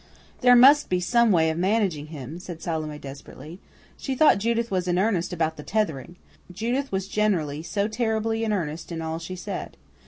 "There must be some way of managing him," said Salome desperately. She thought Judith was in earnest about the tethering. Judith was generally so terribly in earnest in all she said.